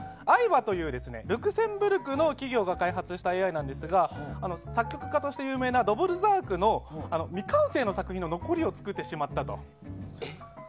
ＡＩＶＡというルクセンブルクの企業が開発したＡＩなんですが作曲家として有名なドヴォルザークの「未完成」の作品の残りを作ってしまったと。